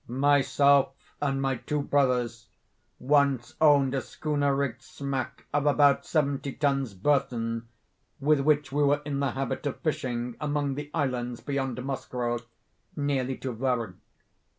"Myself and my two brothers once owned a schooner rigged smack of about seventy tons burthen, with which we were in the habit of fishing among the islands beyond Moskoe, nearly to Vurrgh.